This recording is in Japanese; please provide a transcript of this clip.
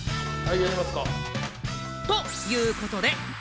ということで。